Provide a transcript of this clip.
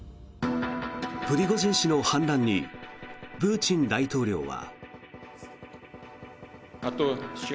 プリゴジン氏の反乱にプーチン大統領は。